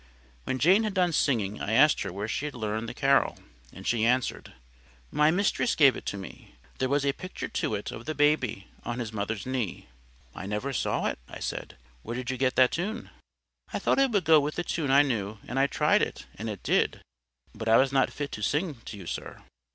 When Jane had done singing, I asked her where she had learned the carol; and she answered,— "My mistress gave it me. There was a picture to it of the Baby on his mother's knee." "I never saw it," I said. "Where did you get the tune?" "I thought it would go with a tune I knew; and I tried it, and it did. But I was not fit to sing to you, sir."